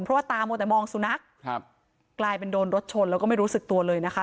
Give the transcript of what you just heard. เพราะว่าตามัวแต่มองสุนัขครับกลายเป็นโดนรถชนแล้วก็ไม่รู้สึกตัวเลยนะคะ